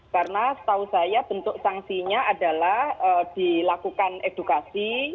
karena setahu saya bentuk sanksinya adalah dilakukan edukasi